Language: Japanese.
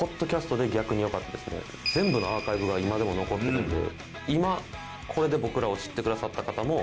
全部のアーカイブが今でも残ってるので。